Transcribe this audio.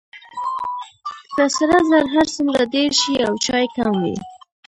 که سره زر هر څومره ډیر شي او چای کم وي.